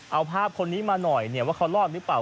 เอาภาพคนนี้มาหน่อยว่าเขารอดหรือเปล่า